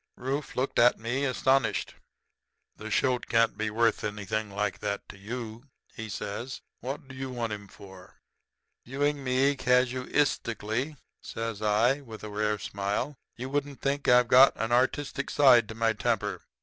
"Rufe looked at me astonished. "'The shoat can't be worth anything like that to you,' he says. 'What do you want him for?' "'Viewing me casuistically,' says I, with a rare smile, 'you wouldn't think that I've got an artistic side to my temper.